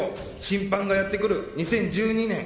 審判がやって来る２０１２年。